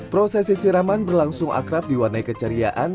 prosesi siraman berlangsung akrab diwarnai keceriaan